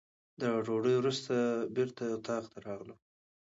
د ډوډۍ وروسته بېرته اتاق ته راغلم.